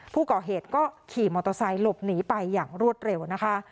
ผู้ก่อเหตุก็ขี่มอเตอร์ไซค์หลบหนีไปอย่างรวดเร็วนะคะ